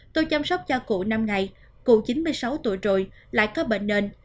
tôi chăm sóc cho cụ năm ngày cụ chín mươi sáu tuổi rồi lại có bệnh nền